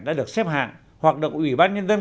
đã được xếp hạng hoặc được ủy ban nhân dân